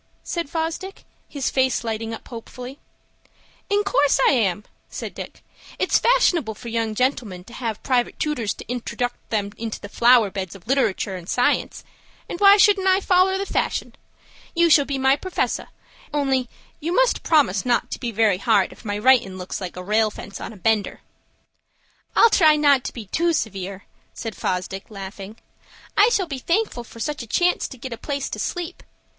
said Fosdick, his face lighting up hopefully. "In course I am," said Dick. "It's fashionable for young gentlemen to have private tootors to introduct 'em into the flower beds of literatoor and science, and why shouldn't I foller the fashion? You shall be my perfessor; only you must promise not to be very hard if my writin' looks like a rail fence on a bender." "I'll try not to be too severe," said Fosdick, laughing. "I shall be thankful for such a chance to get a place to sleep.